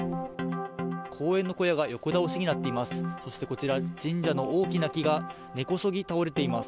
公園の小屋が横倒しになっています。